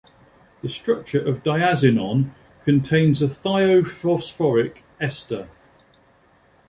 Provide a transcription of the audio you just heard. The structure of diazinon contains a thiophosphoric ester.